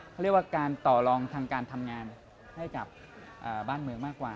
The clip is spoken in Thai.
เขาเรียกว่าการต่อลองทางการทำงานให้กับบ้านเมืองมากกว่า